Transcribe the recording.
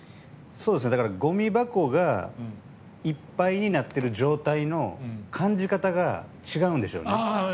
だから、ごみ箱がいっぱいになっている状態の感じ方が違うんでしょうね。